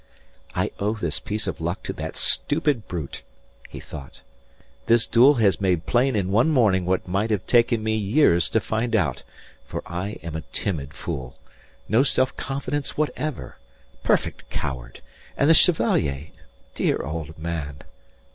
"I owe this piece of luck to that stupid brute," he thought. "This duel has made plain in one morning what might have taken me years to find out for I am a timid fool. No self confidence whatever. Perfect coward. And the Chevalier! Dear old man!"